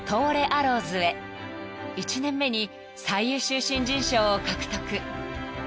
［１年目に最優秀新人賞を獲得］